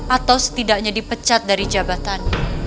atau setidaknya dipecat dari jabatan